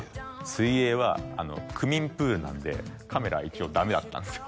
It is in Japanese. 水泳は区民プールなんでカメラ一応ダメだったんですよ